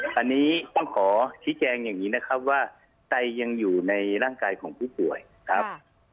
อันนี้ต้องขอชี้แจงอย่างนี้นะครับว่าไตยังอยู่ในร่างกายของผู้ป่วยครับ